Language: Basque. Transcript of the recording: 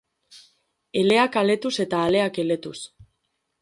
Eleak aletuz eta aleak eletuz!